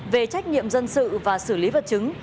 về trách nhiệm dân sự và xử lý vật chứng